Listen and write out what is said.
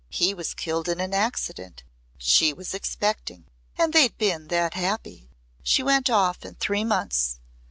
He was killed in an accident. She was expecting. And they'd been that happy. She went off in three months.